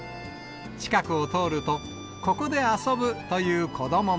近くを通ると、ここで遊ぶという子どもも。